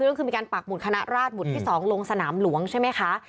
ก็คือมีการปักหุ่นคณะราชหุดที่๒ลงสนามหลวงใช่ไหมคะ